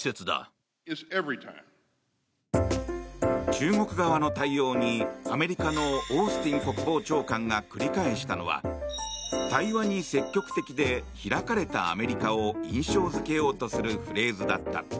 中国側の対応に、アメリカのオースティン国防長官が繰り返したのは対話に積極的で開かれたアメリカを印象付けようとするフレーズだった。